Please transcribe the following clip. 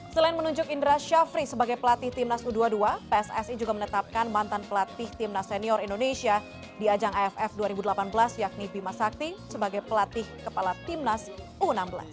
selain menunjuk indra syafri sebagai pelatih timnas u dua puluh dua pssi juga menetapkan mantan pelatih timnas senior indonesia di ajang aff dua ribu delapan belas yakni bima sakti sebagai pelatih kepala timnas u enam belas